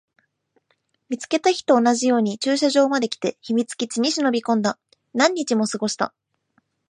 見つけた日と同じように駐車場まで来て、秘密基地に忍び込んだ。何日も過ごした。